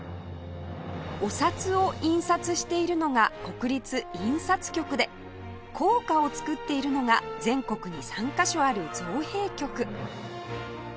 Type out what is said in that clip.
お札を印刷しているのが国立印刷局で硬貨を作っているのが全国に３カ所ある造幣局